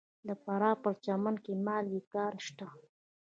د فراه په پرچمن کې د مالګې کان شته.